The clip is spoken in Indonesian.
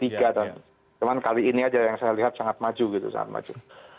cuma kali ini aja yang saya lihat sangat maju gitu sangat maju